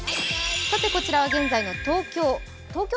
こちらは現在の東京。